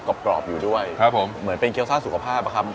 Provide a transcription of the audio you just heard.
กรอบอยู่ด้วยครับผมเหมือนเป็นเกี้ยซ่าสุขภาพอะครับ